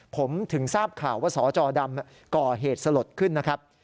ผมถึงทราบข่าวว่าสจดำก่อเหตุสลดขึ้นนะครับ